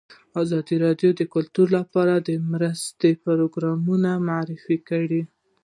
ازادي راډیو د کلتور لپاره د مرستو پروګرامونه معرفي کړي.